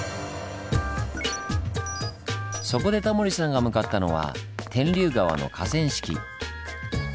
そこでタモリさんが向かったのは天竜川の河川敷。